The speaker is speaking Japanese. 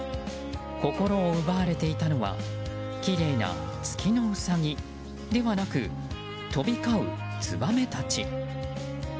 心を奪われていたのはきれいな月のウサギではなく飛び交うツバメたち。